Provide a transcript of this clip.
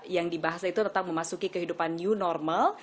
yang dibahas itu tetap memasuki kehidupan new normal